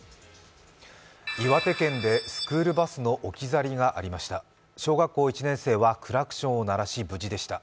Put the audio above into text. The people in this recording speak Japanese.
岩手県でスクールバスの置き去りがありました。